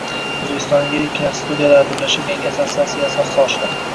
Oʻzbekistonning yirik kinostudiyalari birlashib, yangi assotsiatsiyaga asos solishdi